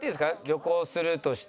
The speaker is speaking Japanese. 旅行するとして。